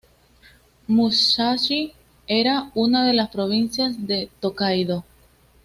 Musashi era una de las provincias de Tōkaidō.